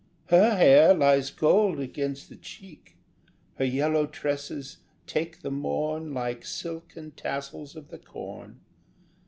HER hair lies gold against the cheek; Her yellow tresses take the morn Like silken tassels of the corn.